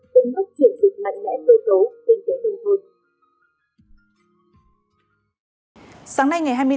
đứng mất triển dịch mạnh mẽ cơ cấu trên thế hệ hình hồi